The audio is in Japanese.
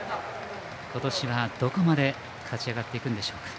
今年はどこまで勝ち上がっていくんでしょうか。